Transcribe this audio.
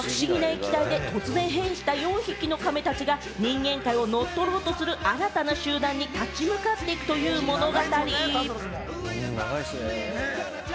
映画は、不思議な液体で突然変異した４匹のカメたちが、人間界を乗っ取ろうとする敵集団に立ち向かう物語。